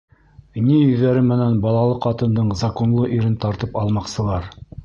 Ни йөҙҙәре менән балалы ҡатындың закунлы ирен тартып алмаҡсылар?!